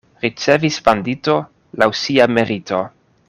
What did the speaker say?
Ricevis bandito laŭ sia merito.